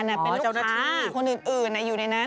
เป็นลูกค้าชาวนาคาคนอื่นอยู่ในนั้น